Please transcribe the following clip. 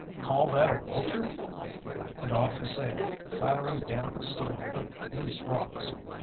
"Call that a vulture?" and off he sailed, clattering down a slope of loose rocks.